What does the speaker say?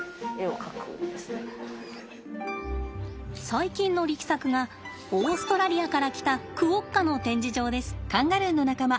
最近の力作がオーストラリアから来たクオッカの展示場です。